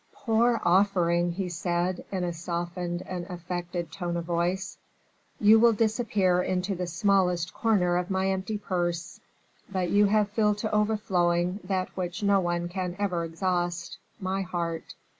"Poor offering," he said, in a softened and affected tone of voice, "you will disappear into the smallest corner of my empty purse, but you have filled to overflowing that which no one can ever exhaust, my heart.